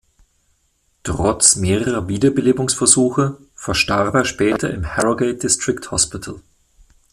Trotz mehrerer Wiederbelebungsversuche verstarb er später im "Harrogate District Hospital".